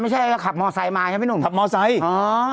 ไม่ใช่ว่าขับมอเซตไส้มาใช่ไหมนุ่มขับมอเซตไส้อ่า